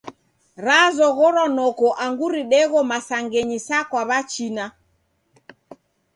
Razoghorwa noko angu ridegho masangenyi sa kwa w'achina.